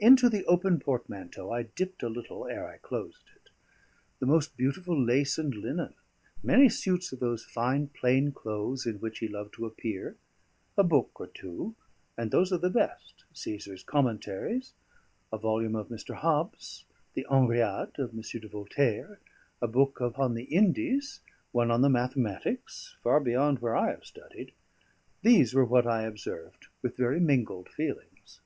Into the open portmanteau I dipped a little ere I closed it. The most beautiful lace and linen, many suits of those fine plain clothes in which he loved to appear; a book or two, and those of the best, Cæsar's "Commentaries," a volume of Mr. Hobbes, the "Henriade" of M. de Voltaire, a book upon the Indies, one on the mathematics, far beyond where I have studied: these were what I observed with very mingled feelings.